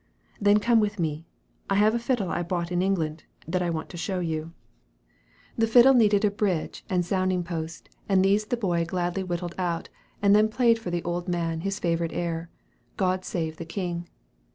"Then come with me. I have a fiddle I bought in England, that I want to show you." The fiddle needed a bridge and sounding post, and these the boy gladly whittled out, and then played for the old man his favorite air, "God save the King."